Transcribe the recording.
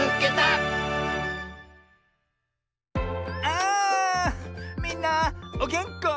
あみんなおげんこ？